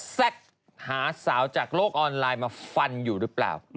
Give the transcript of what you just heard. แซ็กหาสาวจากโลกออนไลน์มาฟันอยู่หรือเปล่า